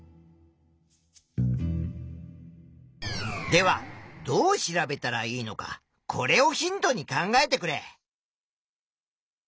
ではどう調べたらいいのかこれをヒントに考えてくれ。